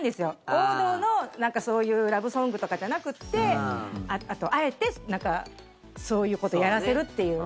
王道の、なんかそういうラブソングとかじゃなくてあえてそういうことをやらせるっていう。